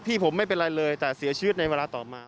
พี่ผมไม่เป็นไรเลยแต่เสียชีวิตในเวลาต่อมา